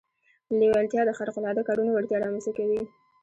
لېوالتیا د خارق العاده کارونو وړتيا رامنځته کوي.